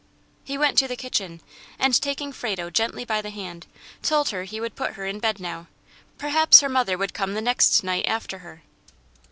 He went to the kitchen, and, taking Frado gently by the hand, told her he would put her in bed now; perhaps her mother would come the next night after her.